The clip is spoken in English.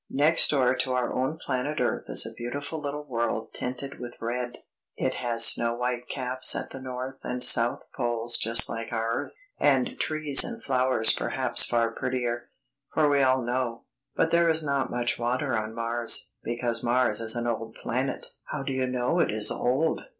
"Next door to our own planet earth is a beautiful little world tinted with red. It has snow white caps at the north and south poles just like our earth, and trees and flowers perhaps far prettier, for all we know. But there is not much water on Mars, because Mars is an old planet." "How do you know it is old?"